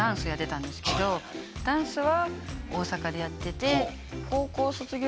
ダンスは大阪でやってて。